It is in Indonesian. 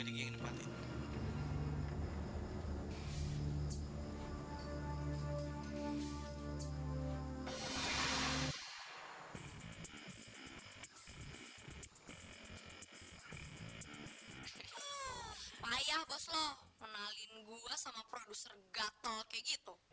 dengan kaget orang orang yang tersalin